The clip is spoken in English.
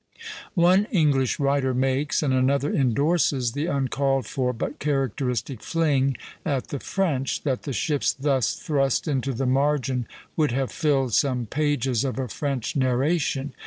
One English writer makes, and another indorses, the uncalled for but characteristic fling at the French, that the ships thus thrust into the margin would have filled some pages of a French narration.